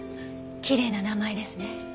きれいな名前ですね。